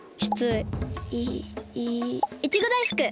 いいいちごだいふく！